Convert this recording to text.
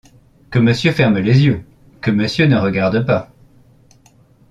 Que monsieur ferme les yeux ! que monsieur ne regarde pas !